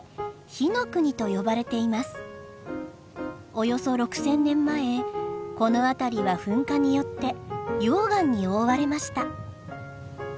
およそ６，０００年前この辺りは噴火によって溶岩に覆われました。